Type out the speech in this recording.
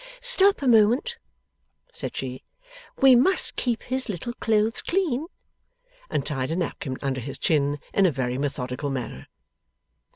'Stop a moment,' said she, 'we must keep his little clothes clean;' and tied a napkin under his chin, in a very methodical manner.